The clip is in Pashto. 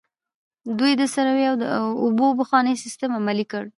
دوی د سروې او د اوبو پخوانی سیستم عملي کړ.